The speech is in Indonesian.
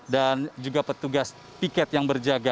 dan juga petugas pkm